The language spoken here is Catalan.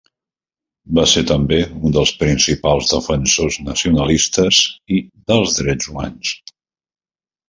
Va ser també un dels principals defensors nacionalistes i dels drets humans.